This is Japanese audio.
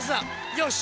よし。